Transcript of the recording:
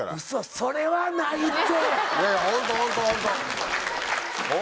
それはないって！